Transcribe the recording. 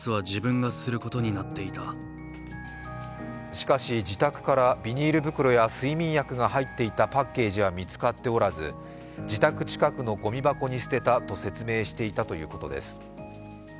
しかし自宅からビニール袋や睡眠薬が入っていたパッケージは見つかっておらず、自宅近くのごみ箱に捨てたと説明していたということです。